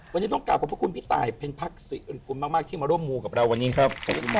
วันนี้ต้องกลับกับพระคุณพี่ตายเป็นพรรคที่มาร่วมมูลกับเราวันนี้ครับ